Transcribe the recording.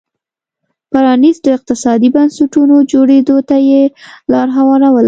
پرانيستو اقتصادي بنسټونو جوړېدو ته یې لار هواروله.